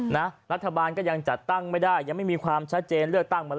นะรัฐบาลก็ยังจัดตั้งไม่ได้ยังไม่มีความชัดเจน